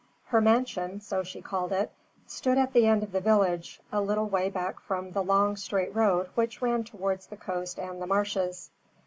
Her mansion so she called it stood at the end of the village, a little way back from the long, straight road which ran towards the coast and the marshes.